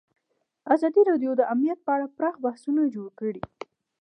ازادي راډیو د امنیت په اړه پراخ بحثونه جوړ کړي.